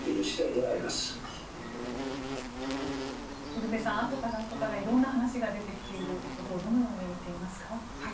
ウルヴェさんあとからあとから色んな話が出てきていることをどのように見ていますか？